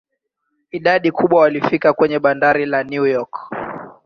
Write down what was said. Idadi kubwa walifika kwenye bandari la New York.